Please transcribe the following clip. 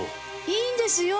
いいんですよ。